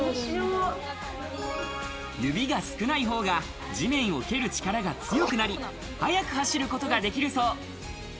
指が少ない方が地面を蹴る力が強くなり、速く走ることができるそう。